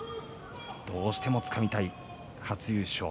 どうしてもつかみたい初優勝。